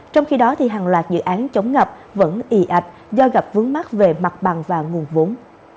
trong khi đó hàng loạt dự án chống ngập vẫn ị ạch do gặp vướng mắt về mặt bằng và nguồn vốn